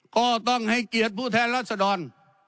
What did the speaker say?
ก็ต้องให้เกียรติผู้แทนรัศดร